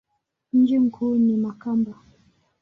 Mji mkuu ni Makamba.